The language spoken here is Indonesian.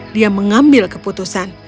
dia mengambil keputusan